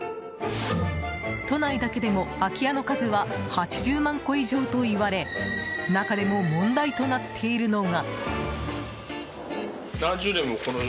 都内だけでも、空き家の数は８０万戸以上といわれ中でも問題となっているのが。